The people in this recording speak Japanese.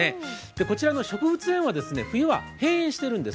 こちらの植物園は、冬は閉園しているんです。